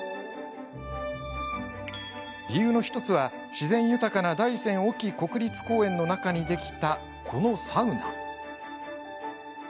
理由の１つは自然豊かな大山隠岐国立公園の中にできた、このサウナ。